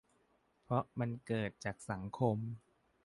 เพราะมันเกิดจากสังคม